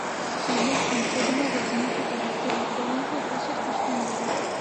شامل عنصرونه د ځمکې په حاصل ورکوونکي قشر کې شتون لري.